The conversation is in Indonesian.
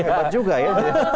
hebat juga ya